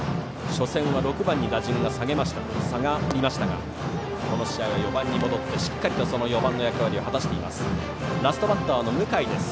初戦は６番に打順が下がりましたがこの試合は４番に戻ってしっかり４番の役割を果たしています。